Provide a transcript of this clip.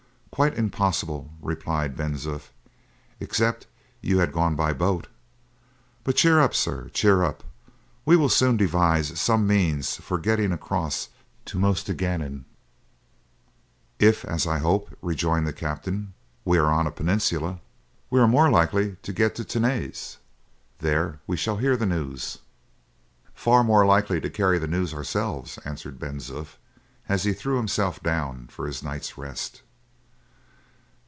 "Quite impossible," replied Ben Zoof, "except you had gone by a boat. But cheer up, sir, cheer up; we will soon devise some means for getting across to Mostaganem." "If, as I hope," rejoined the captain, "we are on a peninsula, we are more likely to get to Tenes; there we shall hear the news." "Far more likely to carry the news ourselves," answered Ben Zoof, as he threw himself down for his night's rest.